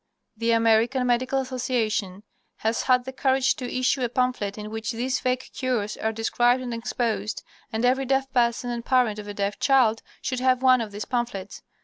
The American Medical Association has had the courage to issue a pamphlet in which these fake cures are described and exposed, and every deaf person, and parent of a deaf child, should have one of these pamphlets.